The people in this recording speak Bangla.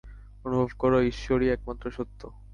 অনুভব কর, ঈশ্বরই একমাত্র সত্য।